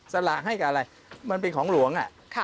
สลากให้กับอะไรมันเป็นของหลวง